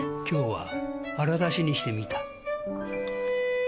きょうはあらだしにしてみた。